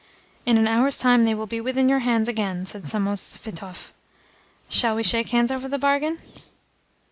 "In an hour's time they will be within your hands again," said Samosvitov. "Shall we shake hands over the bargain?"